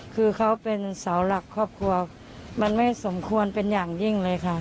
คือเขาเป็นเสาหลักครอบครัวมันไม่สมควรเป็นอย่างยิ่งเลยค่ะ